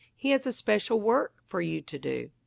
He has a special work for you to do.